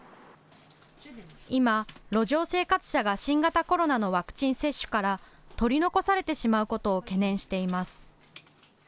今、路上生活者が新型コロナのワクチン接種から取り残されてしまうことを懸念しています。